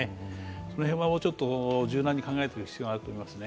その辺はもうちょっと柔軟に考えていく必要があると思いますね。